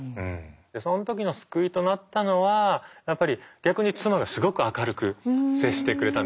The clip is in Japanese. その時の救いとなったのはやっぱり逆に妻がすごく明るく接してくれたんですね。